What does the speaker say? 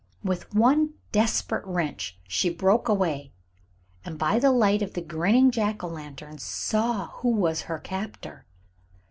With one desperate wrench she broke away, and by the light of the grinning jack o' lantern saw who was her captor.